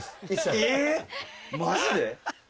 えぇ⁉マジで？